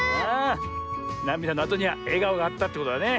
なみだのあとにはえがおがあったってことだね。